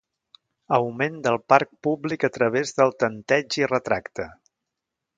Augment del parc públic a través del tanteig i retracte.